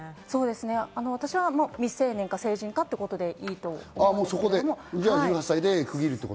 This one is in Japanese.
私は未成年か成人かということでいいと思うんだけど。